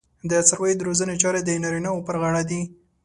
د څارویو د روزنې چارې د نارینه وو پر غاړه دي.